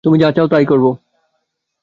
তুমি যা চাও, তা-ই করবো।